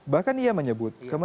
bahkan ia menyebut